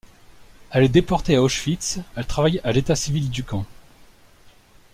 Elle est déporté à Auschwitz, elle travaille à l'état civil du camp.